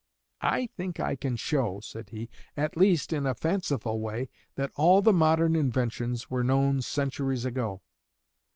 "I think I can show," said he, "at least, in a fanciful way, that all the modern inventions were known centuries ago."